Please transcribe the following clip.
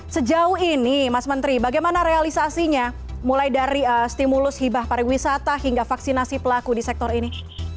sejauh ini mas menteri bagaimana realisasinya mulai dari stimulus hibah pariwisata hingga vaksinasi pelaku di sektor ini